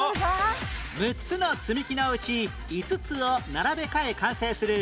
６つの積み木のうち５つを並べ替え完成する